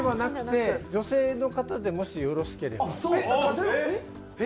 女性の方でもしよろしければ。